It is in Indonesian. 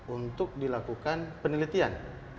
untuk dilakukan penelitian